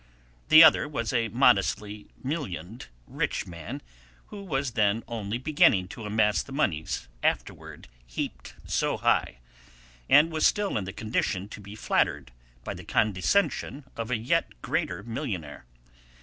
The other was a modestly millioned rich man who was then only beginning to amass the moneys afterward heaped so high, and was still in the condition to be flattered by the condescension of a yet greater millionaire.